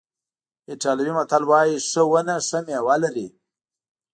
ایټالوي متل وایي ښه ونه ښه میوه لري.